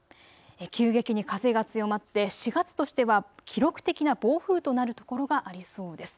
急激に風が強まって４月としては記録的な暴風となる所がありそうです。